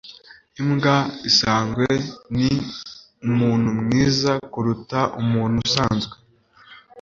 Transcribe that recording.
imbwa isanzwe ni umuntu mwiza kuruta umuntu usanzwe